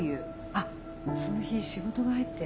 あその日仕事が入って。